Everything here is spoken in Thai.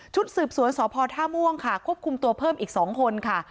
สืบสวนสพท่าม่วงค่ะควบคุมตัวเพิ่มอีก๒คนค่ะ